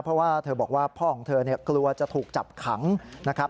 เพราะว่าเธอบอกว่าพ่อของเธอกลัวจะถูกจับขังนะครับ